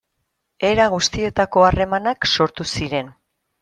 Era guztietako harremanak sortu ziren.